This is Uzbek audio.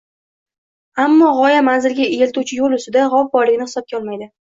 Ammo g‘oya manzilga eltuvchi yo‘l ustida g‘ov borligini hisobga olmaydi.